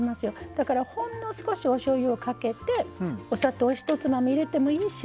だから、ほんの少しおしょうゆをかけてお砂糖をひとつまみ入れてもいいし